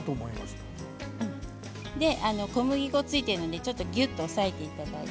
小麦粉がついているのでぎゅっと押さえていただいて。